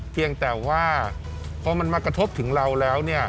เพียงแต่ว่าพอมันมากระทบถึงเราแล้วเนี่ย